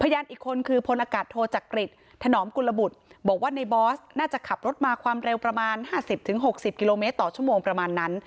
พยานอีกคนคือพลอากาศโทจักริตถนอมกุลบุตรบอกว่าในบอสน่าจะขับรถมาความเร็วประมาณ๕๐๖๐กิโลเมตรต่อชั่วโมงประมาณนั้น